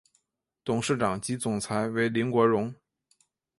董事长及总裁为林国荣。